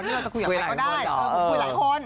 เราจะคุยกับใครก็ได้คุยหลายคน